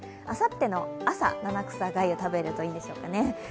あさっての朝、七草がゆを食べるといいんでしょうかね。